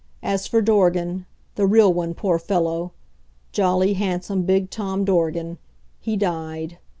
As for Dorgan the real one, poor fellow! jolly, handsome, big Tom Dorgan he died.